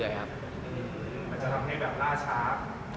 อืมมมมมันจะทำให้แบบลาชาป